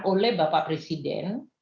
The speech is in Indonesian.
oleh bapak presiden